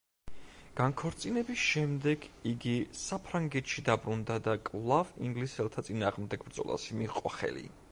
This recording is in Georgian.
განქორწინების შემდეგ იგი საფრანგეთში დაბრუნდა და კვლავ ინგლისელთა წინააღმდეგ ბრძოლას მიჰყო ხელი.